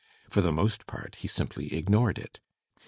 For the most part he simply ignored it.